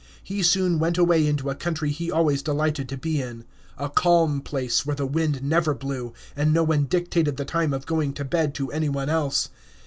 He soon went away into a country he always delighted to be in: a calm place where the wind never blew, and no one dictated the time of going to bed to any one else.